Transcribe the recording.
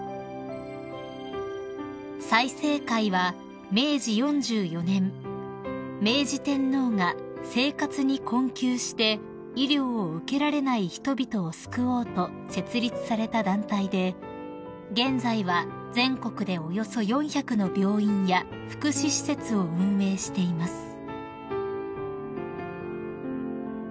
［済生会は明治４４年明治天皇が生活に困窮して医療を受けられない人々を救おうと設立された団体で現在は全国でおよそ４００の病院や福祉施設を運営しています］